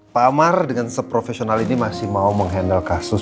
pak amar dengan seprofesional ini masih mau menghandle kasus